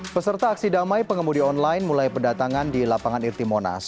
peserta aksi damai pengemudi online mulai berdatangan di lapangan irti monas